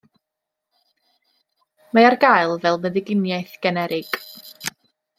Mae ar gael fel meddyginiaeth generig.